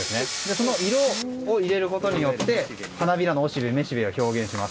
その色を入れることによって花びらのおしべ、めしべを表現します。